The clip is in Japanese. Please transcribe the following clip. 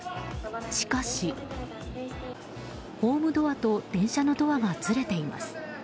しかしホームドアと電車のドアがずれています。